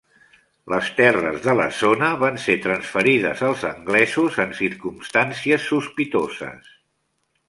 Les terres de la zona van ser transferides als anglesos en circumstàncies sospitoses.